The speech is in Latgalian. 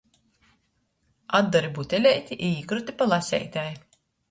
Atdori buteleiti i īkroti pa laseitei.